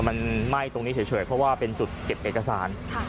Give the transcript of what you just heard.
มันไหม้ตรงนี้เฉยเพราะว่าเป็นจุดเก็บเอกสาร